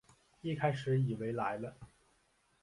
一开始以为来了